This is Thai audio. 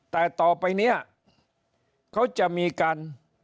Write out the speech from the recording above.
แต่ต่อไปเนี่ยเขาจะมีการ